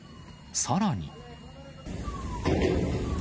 さらに。